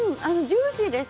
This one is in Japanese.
ジューシーです。